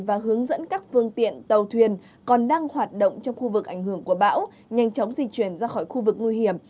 và hướng dẫn các phương tiện tàu thuyền còn đang hoạt động trong khu vực ảnh hưởng của bão nhanh chóng di chuyển ra khỏi khu vực nguy hiểm